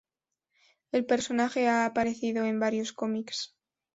El personaje ha aparecido en varios cómics.